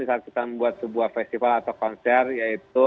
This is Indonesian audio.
saat kita membuat sebuah festival atau konser yaitu